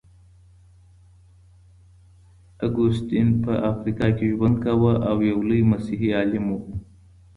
اګوستين په افریقا کي ژوند کاوه او يو لوی مسيحي عالم و.